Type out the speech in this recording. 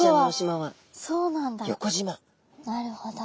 なるほど。